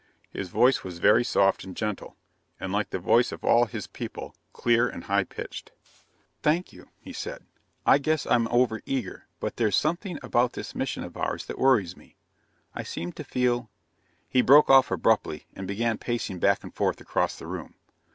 His voice was very soft and gentle, and like the voice of all his people, clear and high pitched. "Thank you," he said. "I guess I'm over eager, but there's something about this mission of ours that worries me. I seem to feel " He broke off abruptly and began pacing back and forth across the room.